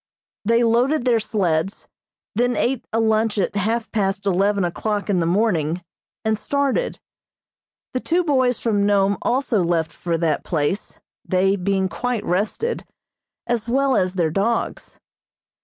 They loaded their sleds, then ate a lunch at half past eleven o'clock in the morning, and started. The two boys from Nome also left for that place, they being quite rested, as well as their dogs.